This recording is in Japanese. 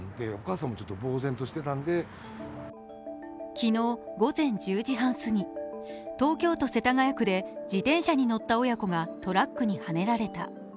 昨日、午前１０時半すぎ、東京都世田谷区で自転車に乗った親子がトラックにはねられた。